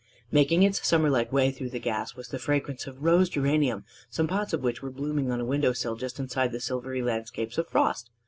Making its summer like way through the gas was the fragrance of rose geranium, some pots of which were blooming on a window sill just inside the silvery landscapes of frost.